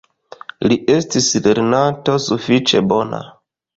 Li estis lernanto sufiĉe bona.